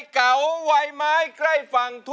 สวัสดีครับ